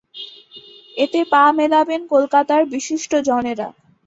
এতে পা মেলাবেন কলকাতার বিশিষ্টজনেরা।